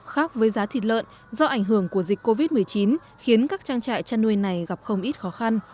khác với giá thịt lợn do ảnh hưởng của dịch covid một mươi chín khiến các trang trại chăn nuôi này gặp không ít khó khăn